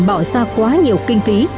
bỏ ra quá nhiều kinh phí